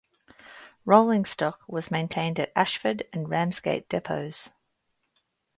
Rolling stock was maintained at Ashford and Ramsgate depots.